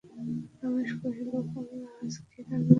রমেশ কহিল, কমলা, আজ কী রান্না হইবে?